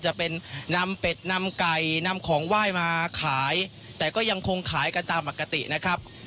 จะเป็นนำเป็ดนำไก่นำของไหว้มาขายแต่ก็ยังคงขายกันตามปกตินะครับ